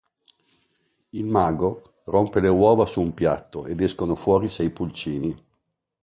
Il mago, rompe le uova su di un piatto ed escono fuori sei pulcini.